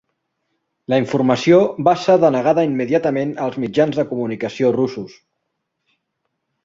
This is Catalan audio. La informació va ser denegada immediatament als mitjans de comunicació russos.